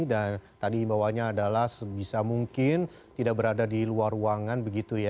dan tadi bawahnya adalah sebisa mungkin tidak berada di luar ruangan begitu ya